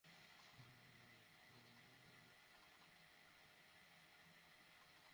আপনি কী বলতে চান তা সোজাসুজি বলুন, চার্লি।